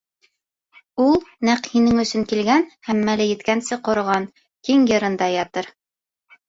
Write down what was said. Ул нәҡ һинең өсөн килгән һәм мәле еткәнсе ҡороған киң йырында ятыр.